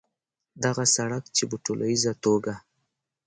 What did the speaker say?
دغه سړک چې په ټولیزه توګه